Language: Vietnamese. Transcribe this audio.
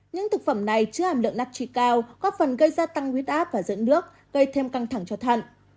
những thực phẩm này chứa hàm lượng natchi cao có phần gây ra tăng huyết áp và dẫn nước gây thêm căng thẳng cho thận